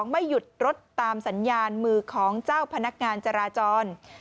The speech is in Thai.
ไม่หยุดรถตามสัญญาณมือของเจ้าพนักงานจราจร